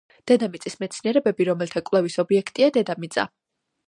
დედამიწის მეცნიერებები, რომელთა კვლევის ობიექტია დედამიწა.